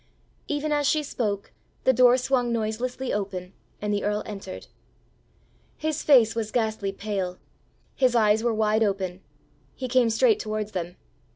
Even as she spoke the door swung noiselessly open, and the earl entered. His face was ghastly pale; his eyes were wide open; he came straight towards them.